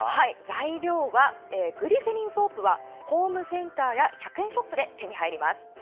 材料はグリセリンソープはホームセンターや１００円ショップで手に入ります。